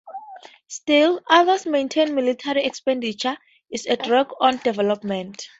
Still, others maintain military expenditure is a drag on development.